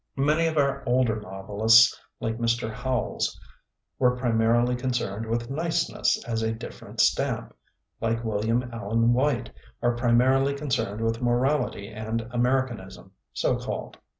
Many of our older novelists, like Mr. Howells, were primarily con cerned with niceness, as a different stamp, like William Allen White, are primarily concerned with morality and Americanism, so called.